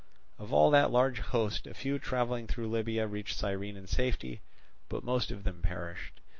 Of all that large host a few travelling through Libya reached Cyrene in safety, but most of them perished.